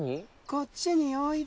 こっちにおいで！